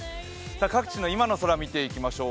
各地の今の空、見ていきましょう。